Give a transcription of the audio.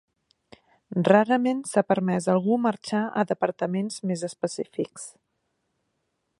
Rarament s'ha permès a algú marxar a departaments més específics.